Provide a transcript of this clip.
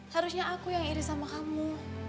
harusnya aku yang iris sama kamu